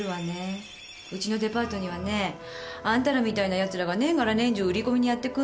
うちのデパートにはねあんたらみたいなやつらが年柄年中売り込みにやって来んのよ。